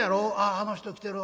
あの人来てる。